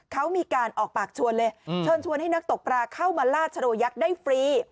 เขามีการออกปากชวนเลยเชิญชวนให้นักตกปลาเข้ามาลาดชโรยักษ์ได้ฟรี